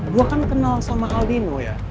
gue kan kenal sama aldino ya